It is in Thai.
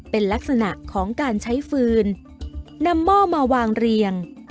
เป็นลักษณะของการใช้ฟืนนำหม้อมาวางเรียง